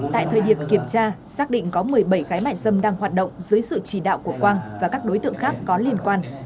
tại thời điểm kiểm tra xác định có một mươi bảy gái mại dâm đang hoạt động dưới sự chỉ đạo của quang và các đối tượng khác có liên quan